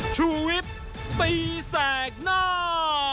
ชุวิตตีแสดหน้า